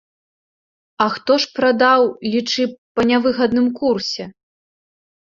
А хто ж прадаў, лічы, па нявыгадным курсе?